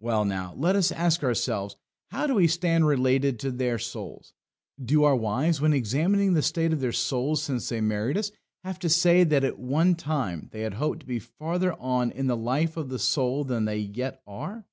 Well, now, let us ask ourselves: How do we stand related to their souls? Do our wives, when examining the state of their souls since they married us, have to say that at one time they had hoped to be further on in the life of the soul than they yet are?